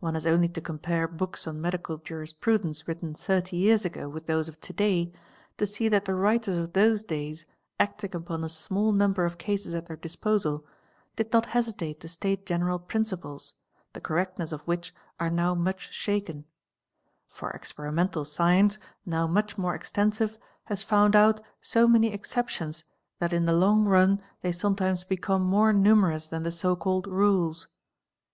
One has only to compare books on medical jurisprt dence written 30 years ago with those of to day to see that the wiital : of those days, acting upon a small number of cases at their disposal, A1¢ not hesitate to state general principles, the correctness of which are no' much shaken: for experimental science, now much more extensive, he found out so many exceptions that in the long run they sometime become more numerous than the so called rules.